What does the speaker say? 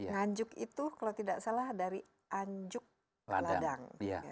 nganjuk itu kalau tidak salah dari anjuk ladang